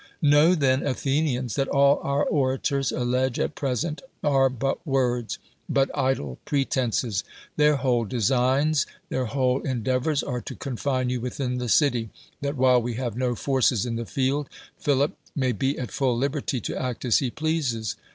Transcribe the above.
Know, then, Athenians, that all our orators allege at present are but words, but idle pre tenses. Their whole designs, their whole en deavors are to confine you within the city; that while we have no forces in the field, Philip may be at full liberty to act as he pleases.